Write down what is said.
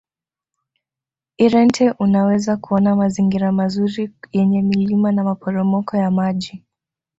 irente unaweza kuona mazingira mazuri yenye milima na maporomoko ya maji